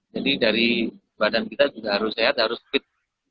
jadi dari badan kita juga harus sehat harus fit